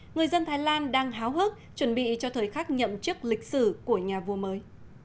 người dân thái lan đang háo hức chuẩn bị cho thời khắc nhậm chức lịch sử của nhà vua mới